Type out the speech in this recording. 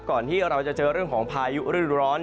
ก่อนที่เราจะเจอเรื่องของพายุฤดูร้อน